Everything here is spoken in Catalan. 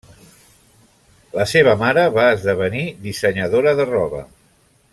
La seva mare va esdevenir dissenyadora de roba.